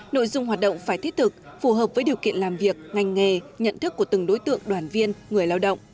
nội dung hoạt động phải thiết thực phù hợp với điều kiện làm việc ngành nghề nhận thức của từng đối tượng đoàn viên người lao động